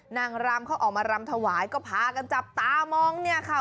นางรำเขาออกมารำถวายก็พากันจับตามองเนี่ยค่ะ